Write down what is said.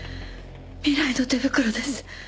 未来の手袋です。